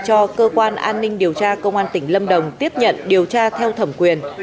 cho cơ quan an ninh điều tra công an tỉnh lâm đồng tiếp nhận điều tra theo thẩm quyền